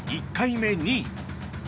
１回目２位。